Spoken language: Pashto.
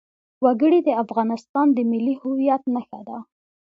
وګړي د افغانستان د ملي هویت نښه ده.